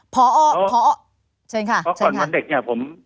พออร์พออร์เชิญค่ะเชิญค่ะก่อนวันเด็กเนี่ยผม